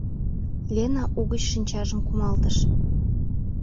— Лена угыч шинчажым кумалтыш.